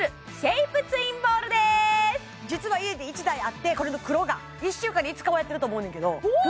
実は家に１台あってこれの黒が１週間に５日はやってると思うねんけどおお！